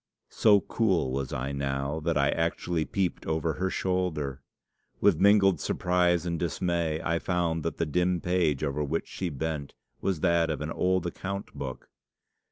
So cool was I now, that I actually peeped over her shoulder. With mingled surprise and dismay I found that the dim page over which she bent was that of an old account book.